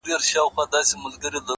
شېرينې ستا د تورو سترگو په کمال کي سته-